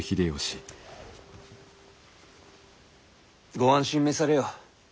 ご安心召されよ。